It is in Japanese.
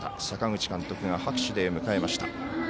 阪口監督が拍手で迎えました。